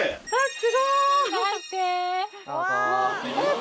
すごい！